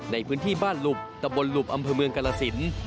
ในพื้นที่บ้านหลุบตะบนหลุบอำเภอเมืองกรสิน